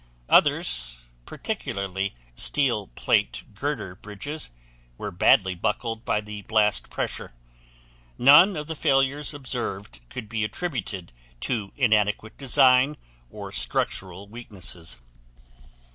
Others, particularly steel plate girder bridges, were badly buckled by the blast pressure. None of the failures observed could be attributed to inadequate design or structural weaknesses.